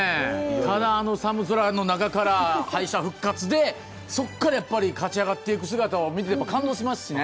ただ、寒空の中から敗者復活で、そこから勝ち上がっていく姿を見て、感動しますしね。